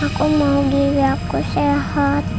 aku mau gigi aku sehat